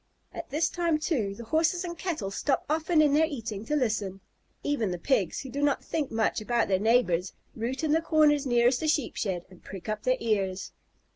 At this time, too, the Horses and Cattle stop often in their eating to listen. Even the Pigs, who do not think much about their neighbors, root in the corners nearest the Sheep shed and prick up their ears.